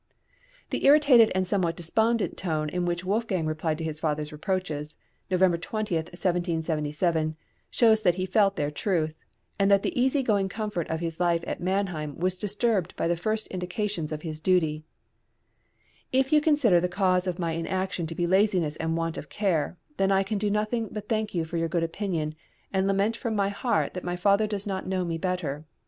The irritated and somewhat despondent tone in which Wolfgang replied to his father's reproaches (November 20, 1777), shows that he felt their truth, and that the easy going comfort of his life at Mannheim was disturbed by the first indications of his duty: If you consider the cause of my inaction to be laziness and want of care, then I can do nothing but thank you for your good opinion, and lament from my heart that my father does not know me better.